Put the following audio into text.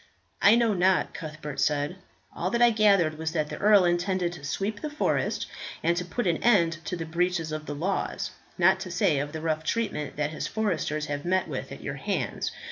"I know not," Cuthbert said; "all that I gathered was that the earl intended to sweep the forest, and to put an end to the breaches of the laws, not to say of the rough treatment that his foresters have met with at your hands.